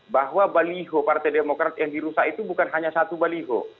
bahwa baliho partai demokrat yang dirusak itu bukan hanya satu baliho